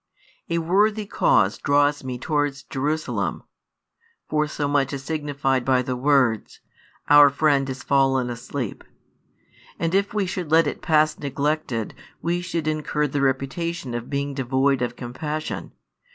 "A worthy cause draws Me towards Jerusalem;" for so much is signified by the words: Our friend is fallen asleep; "and if we should let it pass neglected, we should incur the reputation of being devoid of compassion.